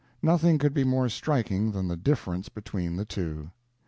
Nothing could be more striking than the difference between the two.